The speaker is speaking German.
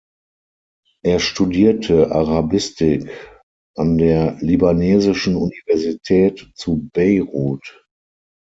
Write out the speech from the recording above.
Er studierte Arabistik an der libanesischen Universität zu Beirut.